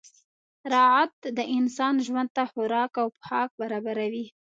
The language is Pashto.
راعت د انسان ژوند ته خوراک او پوښاک برابروي.